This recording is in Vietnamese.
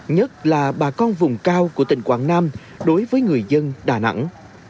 nhất là bà con vùng cao của tỉnh quảng nam đối với người dân đà nẵng